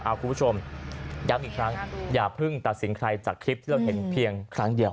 คุณผู้ชมย้ำอีกครั้งอย่าเพิ่งตัดสินใครจากคลิปที่เราเห็นเพียงครั้งเดียว